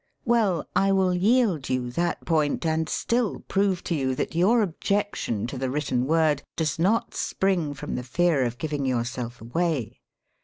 Well, I will yield you that point, and still prove to you that your objection to the written word does not spring from the fear of giving yourself away.